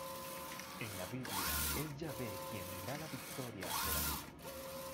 En la Biblia, es Yahveh quien da la victoria a Joram.